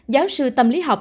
giáo sư tâm lý học